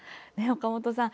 岡本さん